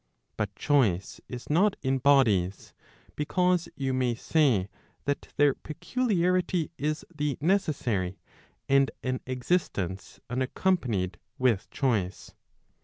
But choice is not in bodies, because you may say that their peculiarity is the necessary and an existence unaccompanied with choice.